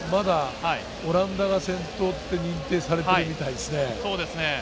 オランダが先頭って認定されてるみたいですね。